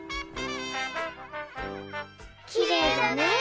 ・きれいだね